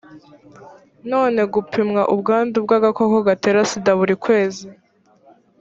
none gupimwa ubwandu bw agakoko gatera sida buri kwezi